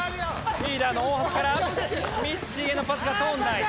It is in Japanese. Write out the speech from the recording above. リーダーの大橋からみっちーへのパスが通らない。